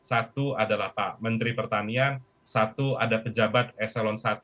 satu adalah pak menteri pertanian satu ada pejabat eselon i